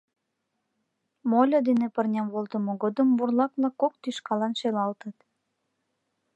Мольо дене пырням волтымо годым бурлак-влак кок тӱшкалан шелалтыт.